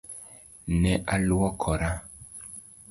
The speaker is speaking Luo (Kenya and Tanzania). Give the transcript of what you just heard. Ne aluokora.